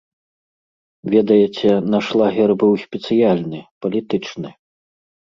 Ведаеце, наш лагер быў спецыяльны, палітычны.